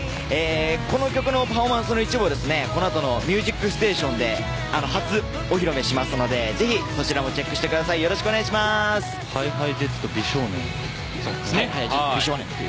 この曲のパフォーマンスの一部をこのあとの「ミュージックステーション」で初お披露目しますのでぜひそちらもチェックしてください。